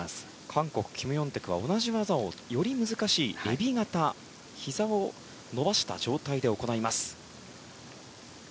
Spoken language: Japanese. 韓国、キム・ヨンテクは同じ技をより難しいえび型ひざを伸ばした状態で行います。